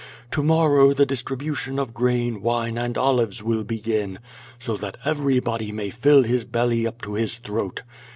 To morrow the distribution of grain, wine, and olives will begin, so that everybody may fill his belly up to his throat.